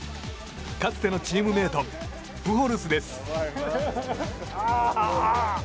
かつてのチームメートプホルスです。